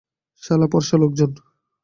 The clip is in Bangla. সালা ফর্সা লোকজন।